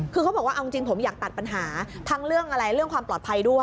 คือเขาบอกว่าเอาจริงผมอยากตัดปัญหาทั้งเรื่องอะไรเรื่องความปลอดภัยด้วย